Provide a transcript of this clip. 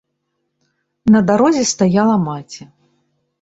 На дарозе стаяла маці.